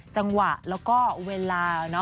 จังหวะแล้วก็เวลา